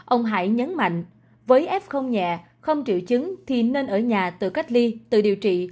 ông hải nhấn mạnh với f nhẹ không triệu chứng thì nên ở nhà tự cách ly tự điều trị